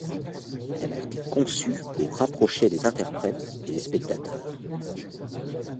Elle a été conçue pour rapprocher les interprètes et les spectateurs.